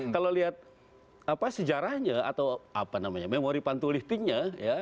kalau lihat sejarahnya atau memori pantulistiknya